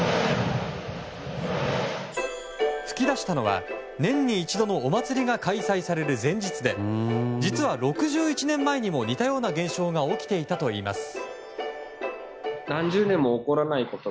噴き出したのは年に一度のお祭りが開催される前日で実は、６１年前にも似たような現象が起きていたといいます。